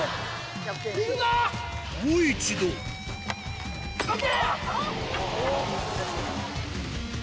もう一度ＯＫ！